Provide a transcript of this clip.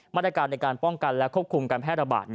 มาตรการในการป้องกันและควบคุมการแพร่ระบาด